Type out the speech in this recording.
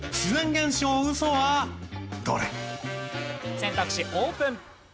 選択肢オープン！